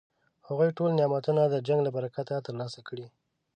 هغوی ټول نعمتونه د جنګ له برکته ترلاسه کړي.